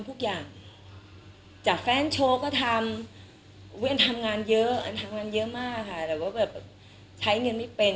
เหยะจากแฟนโชว์ก็ทำอู้ยอันทำงานเยอะอันทำงานเยอะมากค่ะแบบเบบใช้เงินไม่เป็น